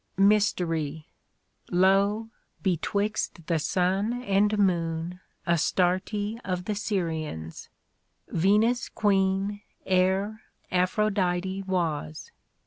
Mystery : lo I betwixt the sun and moon Astarte of the Syrians : Venus Queen Ere Aphrodite was.